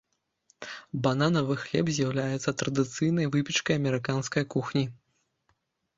Бананавы хлеб з'яўляецца традыцыйнай выпечкай амерыканскай кухні.